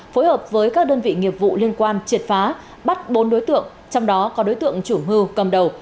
phối hợp với các đơn vị nghiệp vụ liên quan triệt phá bắt bốn đối tượng trong đó có đối tượng chủ mưu cầm đầu